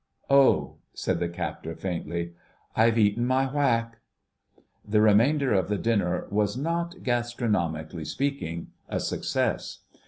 "Oh," said the captor faintly, "I've eaten my whack!" The remainder of the dinner was not, gastronomically speaking, a success.